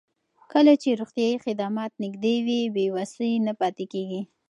کله چې روغتیايي خدمات نږدې وي، بې وسۍ نه پاتې کېږي.